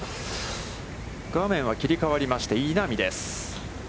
画面は切りかわりまして、稲見です。